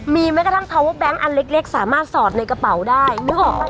มีแม้กระทั่งพาวเวอร์แบงค์อันเล็กสามารถสอดในกระเป๋าได้นึกออกป่ะ